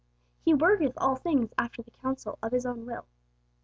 'He worketh all things after the counsel of His own will.'